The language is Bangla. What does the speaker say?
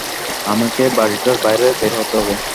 আমাকে বাড়িটার বাইরে বের হতে হবে।